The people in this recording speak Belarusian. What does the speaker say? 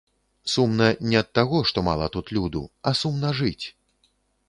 Сумна не ад таго, што мала тут люду, а сумна жыць.